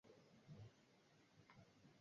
umoja wa wana vikundi ni muhimu